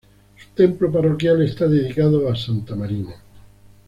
Su templo parroquial está dedicado a Santa Marina.